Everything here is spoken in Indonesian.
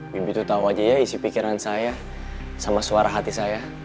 bibi tuh tau aja ya isi pikiran saya sama suara hati saya